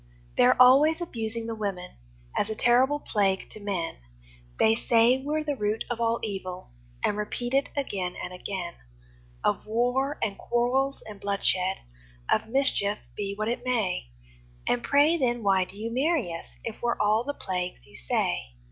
They're always abusing the women, As a terrible plague to men; They say we're the root of all evil, And repeat it again and again Of war, and quarrels, and bloodshed, All mischief, be what it may. And pray, then, why do you marry us, If we're all the plagues you say?